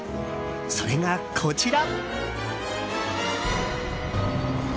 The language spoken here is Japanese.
それが、こちら！